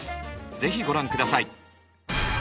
ぜひご覧下さい。